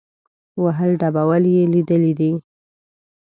وهل ډبول یې لیدلي دي.